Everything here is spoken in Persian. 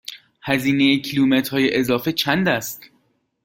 هزینه کیلومترهای اضافه چند است؟